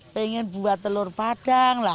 pengen buat telur padang lah